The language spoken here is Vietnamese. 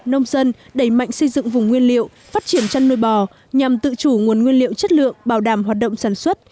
nông dân đẩy mạnh xây dựng vùng nguyên liệu phát triển chăn nuôi bò nhằm tự chủ nguồn nguyên liệu chất lượng bảo đảm hoạt động sản xuất